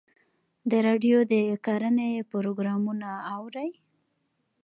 د راډیو د کرنې پروګرامونه اورئ؟